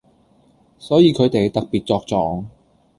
所以佢哋特別作狀⠀